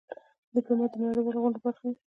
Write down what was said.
ډيپلومات د نړېوالو غونډو برخه وي.